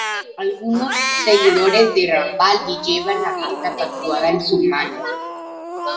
Algunos seguidores de Rambaldi llevan la marca tatuada en su mano.